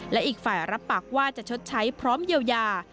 และอีกฝ่ายรับปากว่าจะชดใช้พร้อมเยียวยา